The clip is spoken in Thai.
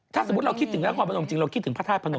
ถ้าสมมุติเราคิดถึงนครพนมจริงเราคิดถึงพระธาตุพนม